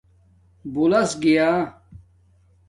بُولس گیݳ